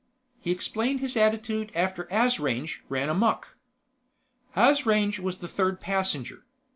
He explained his attitude after Asrange ran amuck. Asrange was the third passenger.